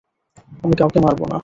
আমি কাউকে মারব না।